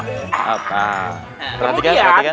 perhatikan perhatikan semuanya